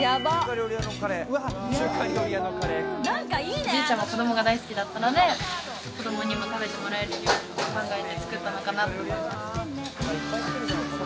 おじいちゃんは子供が大好きだったので、子供にも食べてもらえる料理を考えて作ったのかなっていう。